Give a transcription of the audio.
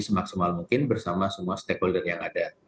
semaksimal mungkin bersama semua stakeholder yang ada